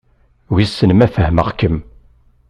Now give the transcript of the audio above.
Wissen ma fehmeɣ-kem?